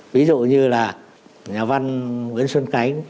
ví dụ như là nhà văn nguyễn xuân cánh